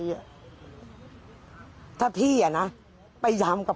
พวกมันต้องกินกันพี่